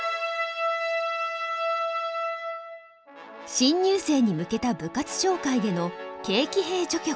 新入生に向けた部活紹介での「軽騎兵」序曲。